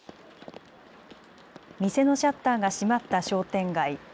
店のシャッターが閉まった商店街。